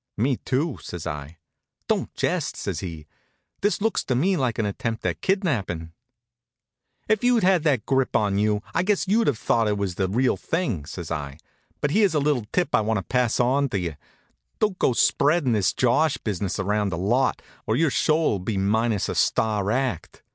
"Me, too," says I. "Don't jest," says he. "This looks to me like an attempt at kidnapping." "If you'd had that grip on you, I guess you'd have thought it was the real thing," says I. "But here's a little tip I want to pass on to you: Don't go spreadin' this josh business around the lot, or your show'll be minus a star act.